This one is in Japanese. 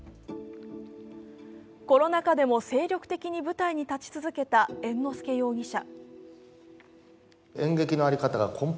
コロナ禍でも精力的に舞台に立ち続けた猿之助容疑者。